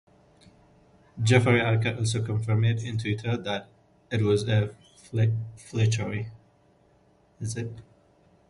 Jeffrey Archer also confirmed in Twitter that it was Fletcher.